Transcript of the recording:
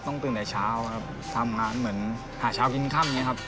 ตื่นแต่เช้าครับทำงานเหมือนหาเช้ากินค่ำอย่างนี้ครับ